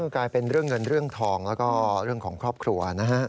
กลายเป็นเรื่องเงินเรื่องทองแล้วก็เรื่องของครอบครัวนะฮะ